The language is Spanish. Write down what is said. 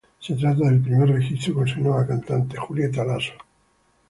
Se trata del primer registro con su nueva cantante, Julieta Laso.